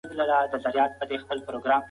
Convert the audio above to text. بدلون غواړو.